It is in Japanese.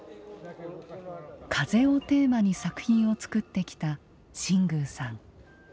風をテーマに作品をつくってきた新宮さん。